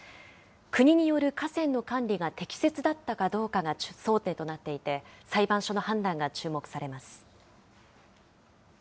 国による河川の管理が適切だったかどうかが争点となっていて、裁判所の判断が注目されます。